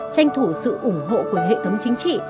tranh thủ sự ủng hộ của hệ thống chính trị